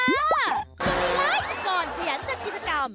สวัสดีค่ะก่อนขยันจัดกิจกรรม